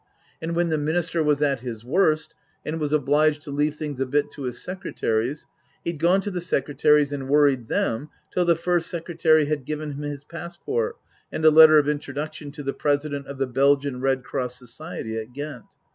And when the Book III : His Book 267 Minister was at his worst and was obliged to leave things a bit to his secretaries, he'd gone to the secretaries and worried them till the First Secretary had given him his passport and a letter of introduction to the President of the Belgian Red Cross Society at Ghent.